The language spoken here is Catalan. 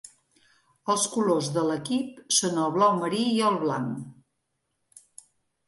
Els colors de l'equip són el blau marí i el blanc.